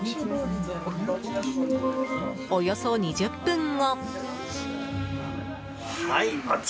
およそ２０分後。